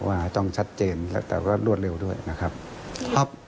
ว่าต้องชัดเจนแล้วแต่ก็รวดเร็วด้วยนะครับครับ